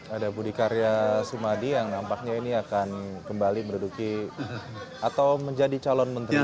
ada budi karya sumadi yang nampaknya ini akan kembali menduduki atau menjadi calon menteri